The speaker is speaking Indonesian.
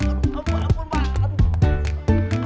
aduh ampun mbak aduh